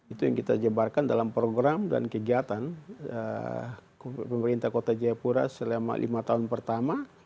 itu yang kita jebarkan dalam program dan kegiatan pemerintah kota jayapura selama lima tahun pertama